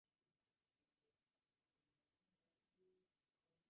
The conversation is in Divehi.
އިންޝާއަށް ޔަޤީންނުވާތީ އަހާލީ ބިރުން ހުރޭ